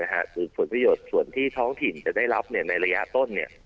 คือผลประโยชน์ส่วนที่ท้องถิ่นจะได้รับในระยะต้น